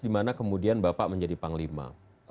dimana kemudian bapak menjadi panglima